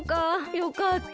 よかった。